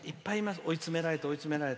追い詰められて、追い詰められて。